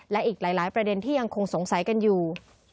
และอีกหลายประเด็นที่ยังคงสงสัยกันอยู่